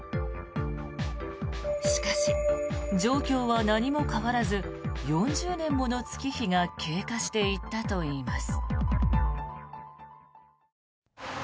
しかし、状況は何も変わらず４０年もの月日が経過していったといいます。